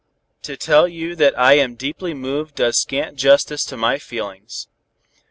To tell you that I am deeply moved does scant justice to my feelings.